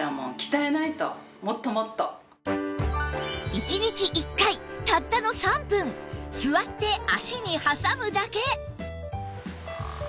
１日１回たったの３分座って脚に挟むだけ